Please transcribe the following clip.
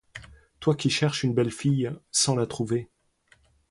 Toi qui cherches une belle fille, sans la trouver!